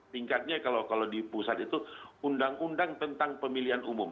tingkatnya kalau di pusat itu undang undang tentang pemilihan umum